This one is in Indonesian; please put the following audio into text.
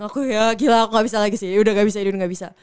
aku ya gila aku gak bisa lagi sih udah gak bisa idun nggak bisa